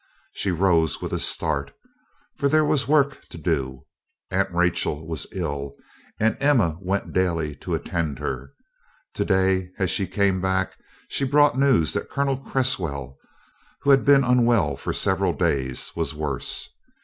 She rose with a start, for there was work to do. Aunt Rachel was ill, and Emma went daily to attend her; today, as she came back, she brought news that Colonel Cresswell, who had been unwell for several days, was worse.